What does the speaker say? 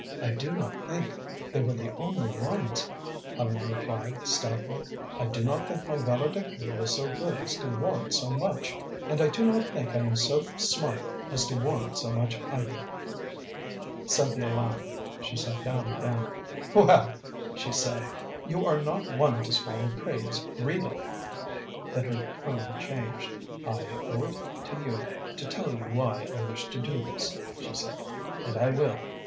"I do not think they were the only ones," Ellen replied, stoutly. "I do not think my valedictory was so good as to warrant so much, and I do not think I am so smart as to warrant so much, either." Cynthia laughed. She sat down again. "Well," she said, "you are not one to swallow praise greedily." Then her tone changed. "I owe it to you to tell you why I wish to do this," she said, "and I will.